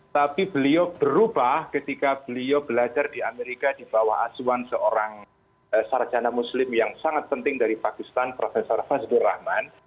tapi beliau berubah ketika beliau belajar di amerika di bawah asuan seorang sarjana muslim yang sangat penting dari pakistan profesor fazbul rahman